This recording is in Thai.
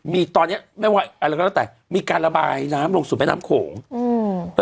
มีตอนเนี้ยไม่ว่าอะไรก็แล้วแต่มีการระบายน้ำลงสู่แม่น้ำโขงอืม